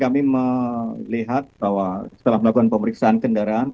kami melihat bahwa setelah melakukan pemeriksaan kendaraan